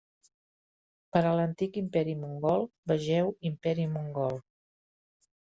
Per a l'antic imperi mongol, vegeu Imperi Mongol.